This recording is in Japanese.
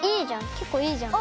けっこういいじゃん。